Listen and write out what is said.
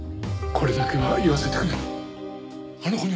これだけは言わせてくれ。